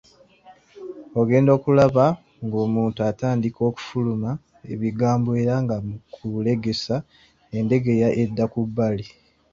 Ogenda okulaba ng'omuntu atandika okufukumula ebigambo era nga mu kulegesa endegeya edda ku bbali.